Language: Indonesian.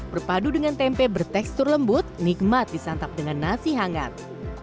berpadu dengan tempe bertekstur lembut nikmat disantap dengan nasi hangat